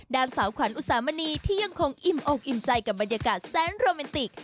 สาวขวัญอุสามณีที่ยังคงอิ่มอกอิ่มใจกับบรรยากาศแสนโรแมนติก